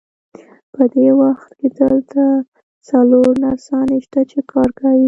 په دې وخت کې دلته څلور نرسانې شته، چې کار کوي.